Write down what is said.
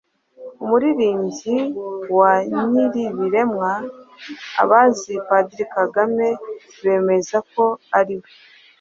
Umuririmbyi wa Nyiribiremwa Abazi Padiri Kagame bemeza ko ariwe